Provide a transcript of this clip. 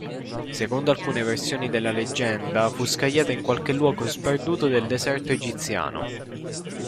Secondo alcune versioni della leggenda fu scagliata in qualche luogo sperduto del deserto egiziano.